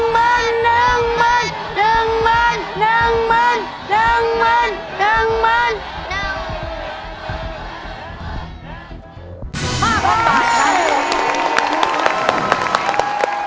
๕๐๐๐บาทครับ